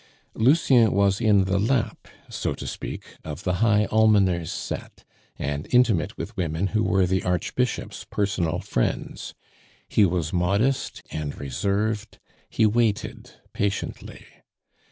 Lucien was in the lap, so to speak, of the High Almoner's set, and intimate with women who were the Archbishop's personal friends. He was modest and reserved; he waited patiently.